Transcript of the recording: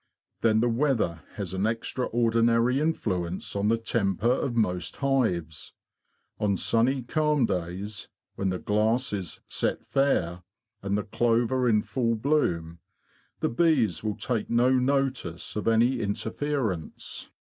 Then the weather has an extraordinary influence on the temper of most hives. On sunny, calm days, when the glass is ' set fair,' and the clover in full bloom, the bees will take no notice of any inter ference.